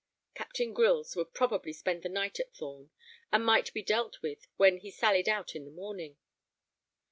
Captain Grylls would probably spend the night at Thorn, and might be dealt with when he sallied out in the morning.